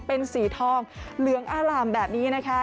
เป็นสีทองเหลืองอร่ามแบบนี้นะคะ